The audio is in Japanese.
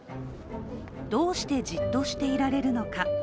どうしてじっとしていられるのか。